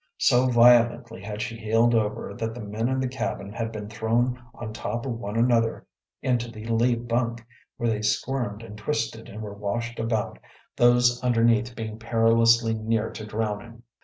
So violently had she heeled over, that the men in the cabin had been thrown on top of one another into the lee bunk, where they squirmed and twisted and were washed about, those underneath being perilously near to drowning.